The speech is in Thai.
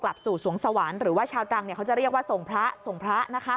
กลับสู่สวงสวรรค์หรือว่าชาวตรังเขาจะเรียกว่าส่งพระส่งพระ